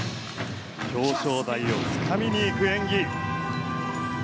表彰台をつかみに行く演技。